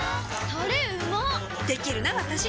タレうまっできるなわたし！